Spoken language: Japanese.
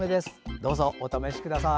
どうぞ、お試しください。